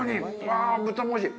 あぁ、豚もおいしい。